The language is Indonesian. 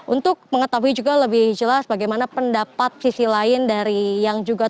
untuk mengetahui juga lebih jelas bagaimana pendapat sisi lain dari yang juga